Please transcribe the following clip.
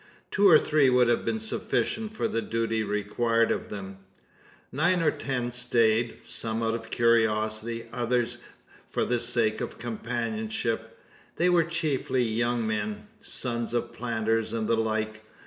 Two or three would have been sufficient for the duty required of them. Nine or ten stayed some out of curiosity, others for the sake of companionship. They were chiefly young men sons of planters and the like.